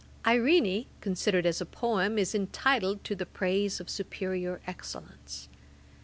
] Irene, considered as a poem, is intitled to the praise of superiour excellence.